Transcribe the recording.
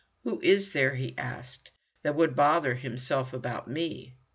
"Who is there," he asked, "that would bother himself about me?